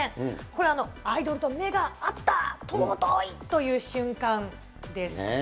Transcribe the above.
これ、アイドルと目が合った、でも遠いという瞬間です。